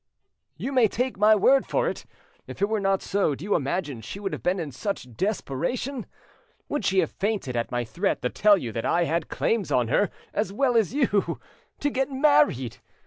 "You may take my word for it. If it were not so, do you imagine she would have been in such desperation? Would she have fainted at my threat to tell you that I had claims on her as well as you? To get married!